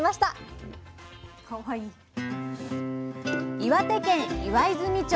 岩手県岩泉町。